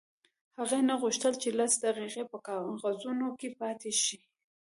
هغې نه غوښتل چې لس دقیقې په کاغذونو کې پاتې شي